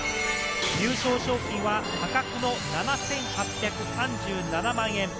優勝賞金は破格の７８３７万円。